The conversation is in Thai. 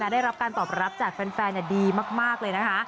ได้รับการตอบรับจากแฟนดีมากเลยนะคะ